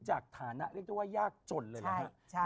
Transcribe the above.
จากฐานะเรียกได้ว่ายากจนเลยนะครับ